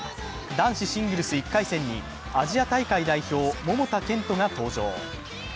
男子シングルス１回戦にアジア大会代表・桃田賢斗が登場。